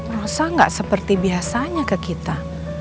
rasa gak seperti biasanya ke kita